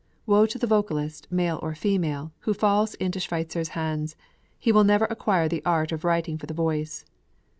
Woe to the vocalist, male or female, who falls into Schweitzer's hands! He will never acquire the art of writing for the voice."